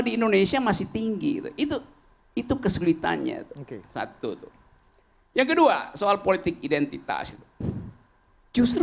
di indonesia masih tinggi itu itu kesulitannya satu yang kedua soal politik identitas justru